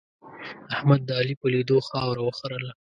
احمد د علي په لیدو خاوره وخرله.